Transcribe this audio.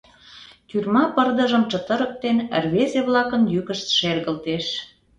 Тюрьма пырдыжым чытырыктен, рвезе-влакын йӱкышт шергылтеш: